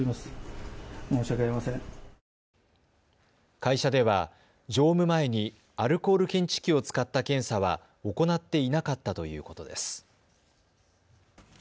会社では乗務前にアルコール検知器を使った検査は行っていなかったということです。